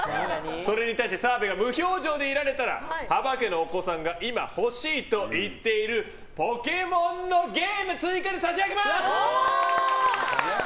それに対して澤部が無表情でいられたら幅家のお子さんが今欲しいと言っている「ポケモン」のゲームを追加で差し上げます！